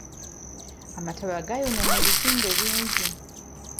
Amataba gaayonoona ebizimbe bingi.